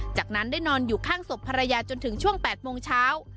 จากนั้นได้นอนอยู่ข้างศพภรรยาจนถึงช่วง๘โมงเช้า